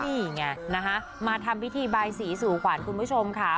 นี่ไงนะคะมาทำพิธีบายสีสู่ขวัญคุณผู้ชมค่ะ